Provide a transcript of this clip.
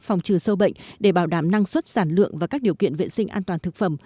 phòng trừ sâu bệnh để bảo đảm năng suất sản lượng và các điều kiện vệ sinh an toàn thực phẩm